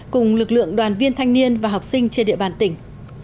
cùng lực lượng đoàn viên thanh niên và học sinh trên địa bàn tỉnh